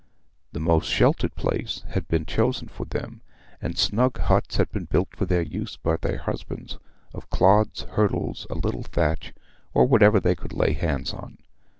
The most sheltered place had been chosen for them, and snug huts had been built for their use by their husbands, of clods, hurdles, a little thatch, or whatever they could lay hands on.